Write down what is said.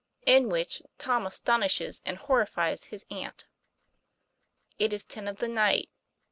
IN WHICH TOM ASTONISHES AND HORRIFIES HIS AUNT. IT is ten of the night.